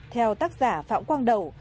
theo tác giả phạm quang đậu